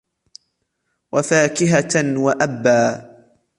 وفاكهة وأبا